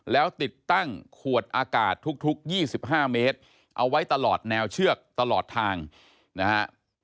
แล้วติดตั้งขวดอากาศทุก๒๕เมตรเอาไว้ตลอดแนวเชือกตลอดทางนะฮะ